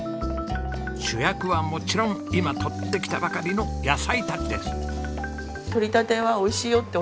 主役はもちろん今採ってきたばかりの野菜たちです。